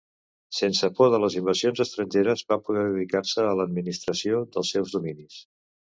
Sense por de les invasions estrangeres, va poder dedicar-se a l'administració dels seus dominis.